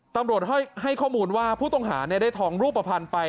ตำรวจให้ข้อมูลว่าผู้ต้องหาได้ทองรูปภัณฑ์ไป